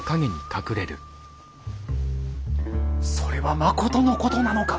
それはまことのことなのか？